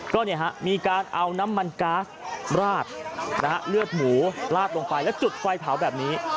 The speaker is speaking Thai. ก็มีการเอาน้ำมันก๊าซราดเลือดหมูราดลงไปแล้วจุดไฟเผาแบบนี้